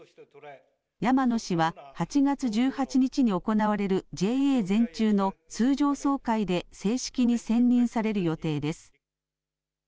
山野氏は、８月１８日に行われる、ＪＡ全中の通常総会で正式に選任される予定です。